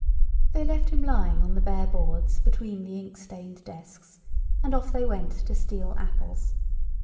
They left him lying on the bare boards between the inkstained desks, and off they went to steal apples.